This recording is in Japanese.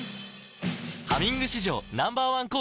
「ハミング」史上Ｎｏ．１抗菌